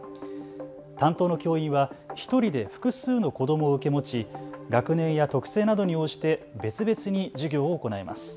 担当の教員は１人で複数の子どもを受け持ち学年や特性などに応じて別々に授業を行います。